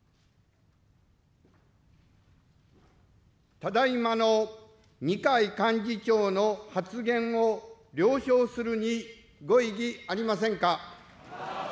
ただいまの二階幹事長の発言を了承するにご異議ありませんか。